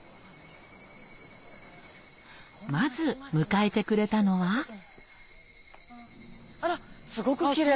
まず迎えてくれたのはあらすごくキレイ。